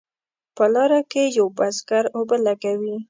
په لار کې یو بزګر اوبه لګوي.